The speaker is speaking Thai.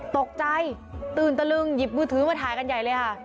ตกใจตื่นตะลึงหยิบมือถือมาถ่ายกันใหญ่เลยค่ะ